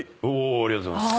ありがとうございます。